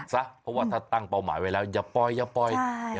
ซะเพราะว่าถ้าตั้งเป้าหมายไว้แล้วอย่าปล่อยอย่าปล่อย